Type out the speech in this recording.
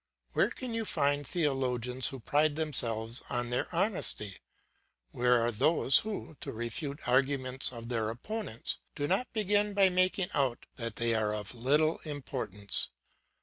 Where can you find theologians who pride themselves on their honesty? Where are those who, to refute the arguments of their opponents, do not begin by making out that they are of little importance?